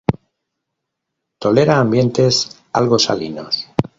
Tolera ambientes algo salinos.